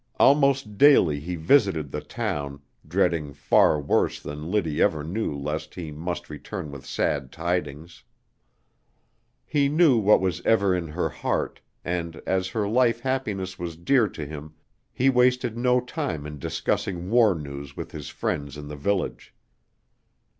Almost daily he visited the town, dreading far worse than Liddy ever knew lest he must return with sad tidings. He knew what was ever in her heart, and as her life happiness was dear to him, he wasted no time in discussing war news with his friends in the village.